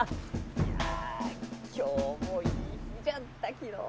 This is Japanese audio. いや今日もいい日じゃったきのう！